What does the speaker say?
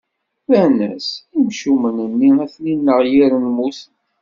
Rran-as: Imcumen-nni, ad ten-ineɣ yir lmut.